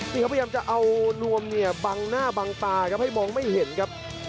นี่ครับพยายามจะเอานวมเนี่ยบังหน้าบังตาครับให้มองไม่เห็นครับ